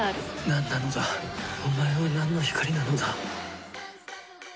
何なのだ、お前は何の光なのだ。